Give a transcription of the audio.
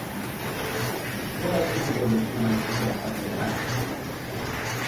Zer aurkituko du filma ikustera joaten denak?